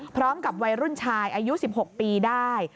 พร้อมกับวัยรุ่นชายอายุ๑๖ปีได้